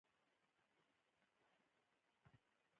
پخوا به ډېرې چارې او کسبونه د بدن په زور ترسره کیدل.